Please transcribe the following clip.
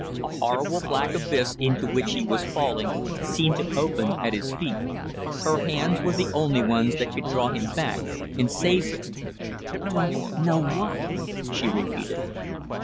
A horrible black abyss into which he was falling, seemed to open at his feet. Her hands were the only ones that could draw him back and save him. "Don't know what?" she repeated.